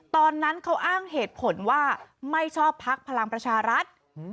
ตอนนั้นเขาอ้างเหตุผลว่าไม่ชอบพักพลังประชารัฐ